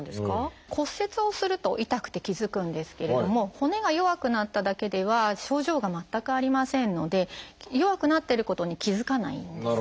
骨折をすると痛くて気付くんですけれども骨が弱くなっただけでは症状が全くありませんので弱くなってることに気付かないんですね。